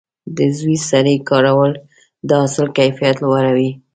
د عضوي سرې کارول د حاصل کیفیت لوړوي.